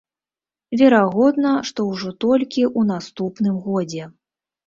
Верагодна, што ўжо толькі ў наступным годзе.